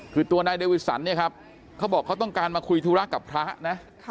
คือตัวนายเดวิสันเนี่ยครับเขาบอกเขาต้องการมาคุยธุระกับพระนะ